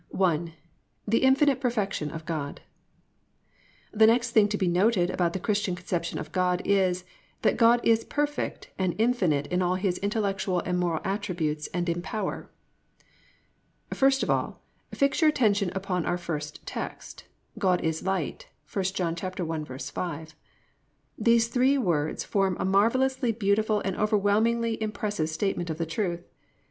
I. THE INFINITE PERFECTION OF GOD The next thing to be noted about the Christian conception of God is, that God is perfect and infinite in all His intellectual and moral attributes and in power. 1. First of all, fix your attention upon our first text: +"God is Light"+ (1 John 1:5). These three words form a marvellously beautiful and overwhelmingly impressive statement of the truth.